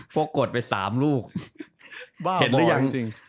กดไป๓ลูกเห็นหรือยัง